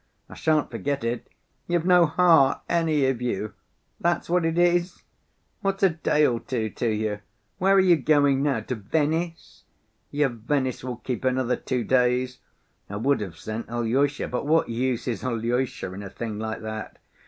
I shan't forget it. You've no heart, any of you—that's what it is? What's a day or two to you? Where are you going now—to Venice? Your Venice will keep another two days. I would have sent Alyosha, but what use is Alyosha in a thing like that?